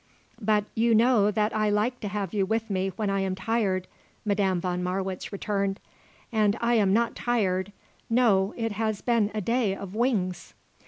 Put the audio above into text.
"But you know that I like to have you with me when I am tired," Madame von Marwitz returned. "And I am not tired: no: it has been a day of wings."